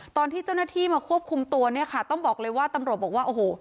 ตอนที่เจ้าหน้าที่มาควบคุมตัวเนี่ยค่ะต้องบอกเลยว่าตำรวจบอกว่าโอ้โห